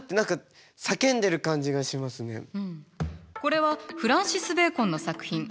これはフランシス・ベーコンの作品。